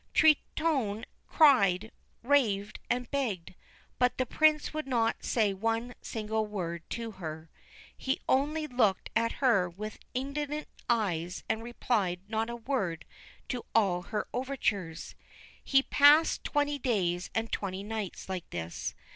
Truitonne cried, raved, and begged ; but the Prince would not say one single word to her ; he only looked at her with indignant eyes and replied not a word to all her overtures. He passed twenty days and twenty nights like this.